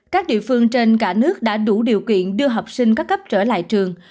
các địa phương trên cả nước đã đủ điều kiện đưa học sinh các cấp trở lại trường